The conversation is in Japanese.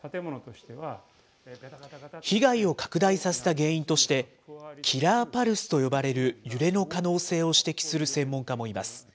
被害を拡大させた原因として、キラーパルスと呼ばれる揺れの可能性を指摘する専門家もいます。